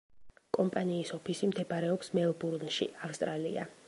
კომპანიის ოფისი მდებარეობს მელბურნში, ავსტრალია.